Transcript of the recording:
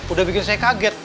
udah bikin saya kaget